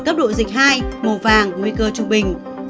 cấp độ dịch hai màu vàng nguy cơ trung bình